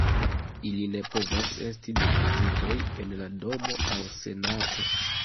Ili ne povas esti deputitoj en la Domo aŭ Senato.